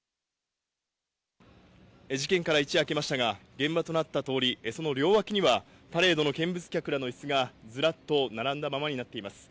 事件から一夜明けましたが現場となった通り、その両脇にはパレードの見物客らの椅子が並んだままになっています。